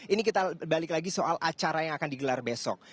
ini kita balik lagi soal acara yang akan digelar besok